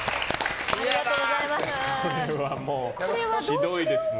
これはもうひどいですね。